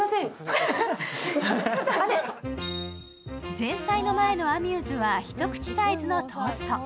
前菜の前のアミューズはひとくちサイズのトースト。